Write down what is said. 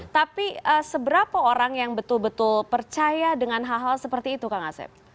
tapi seberapa orang yang betul betul percaya dengan hal hal seperti itu kang asep